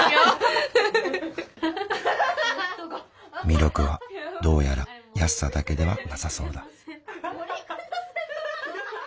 魅力はどうやら安さだけではなさそうだ。